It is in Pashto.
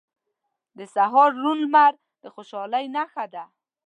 • د سهار روڼ لمر د خوشحالۍ نښه ده.